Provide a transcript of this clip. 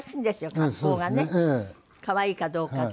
格好がね可愛いかどうかって。